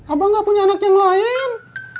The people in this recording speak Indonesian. abah ga punya anak yang lain